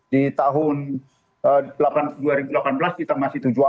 di tahun dua ribu delapan belas kita masih tujuh belas